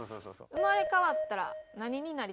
生まれ変わったら何になりたい？